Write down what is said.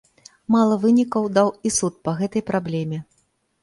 Мала вынікаў даў і суд па гэтай праблеме.